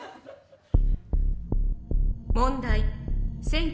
「問題。